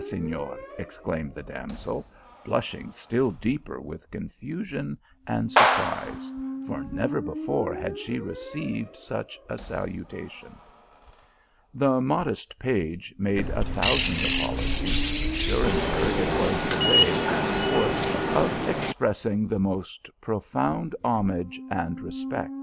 Sefior !" exclaimed the damsel, blushing still deeper with confusion and surprise, for never before had she received such a salutation. The modest page made a thousand apologies, as suring her it was the way, at court, of expressing the most profound homage and respect.